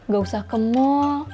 gak usah ke mall